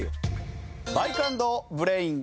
バイク＆ブレイン！